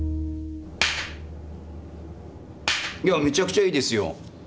めちゃくちゃいいですよ。